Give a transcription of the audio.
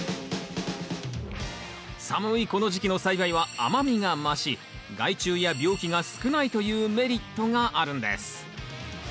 寒いこの時期の栽培は甘みが増し害虫や病気が少ないというメリットがあるんです。